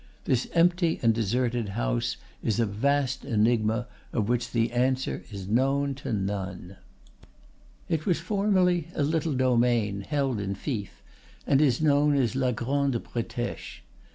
This empty and deserted house is a vast enigma of which the answer is known to none. "It was formerly a little domain, held in fief, and is known as La Grande Bretèche.